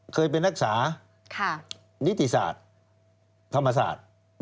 เคยเป็นนักศึกษานิติศาสตร์ธรรมศาสตร์